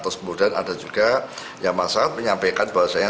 terus kemudian ada juga yang masyarakat menyampaikan bahwa